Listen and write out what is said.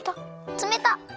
つめたっ。